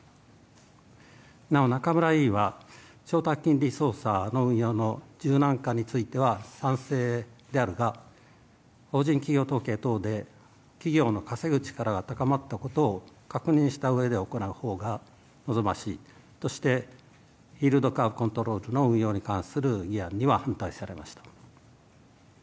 なお、なかむら委員は、長短金利操作の運用の柔軟化については賛成であるが、法人企業統計等で企業の稼ぐ力が高まったことを確認したうえで行うほうが、望ましいとして、イールドカーブ・コントロールの運用に関する議案には反対されました。